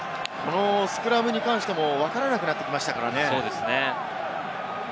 スクラムに関してもわからなくなってきましたからね。